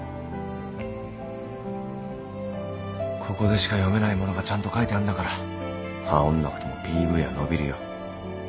ここでしか読めないものがちゃんと書いてあんだからあおんなくてもＰＶは伸びるよ。